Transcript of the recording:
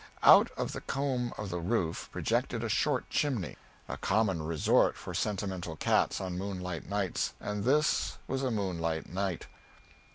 Out of the comb of the roof projected a short chimney, a common resort for sentimental cats on moonlight nights and this was a moonlight night.